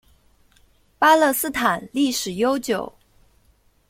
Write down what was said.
巴勒斯坦历史悠久。